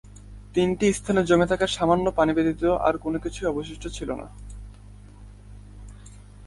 তিনটি স্থানে জমে থাকা সামান্য পানি ব্যতীত আর কিছুই অবশিষ্ট ছিল না।